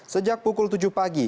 sejak pukul tujuh pagi